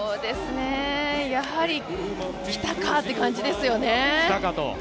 やはりきたかという感じですよね。